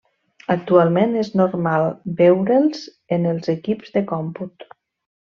Actualment és normal veure'ls en els equips de còmput.